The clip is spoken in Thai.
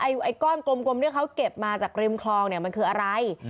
ไอ้ก้อนกลมเขาเก็บมาจากริมคลองมันคืออะไร